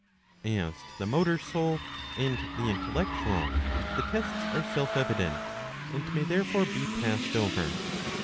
As to the Motor soul, and the Intellectual, the tests are self evident ; and may therefore be passed over.